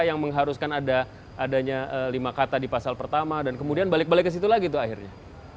yang mengharuskan adanya lima kata di pasal pertama dan kemudian balik balik ke situ lagi tuh akhirnya